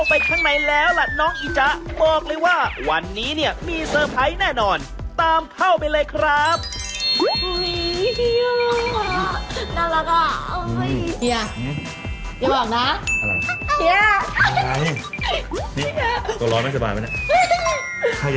อ่าโว๊ยเฮียเข้าเข้าไปข้างในแล้วน้องไอ้จ๊ะ